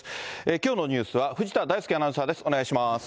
きょうのニュースは藤田大介アナウンサーです。